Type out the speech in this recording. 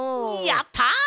やった！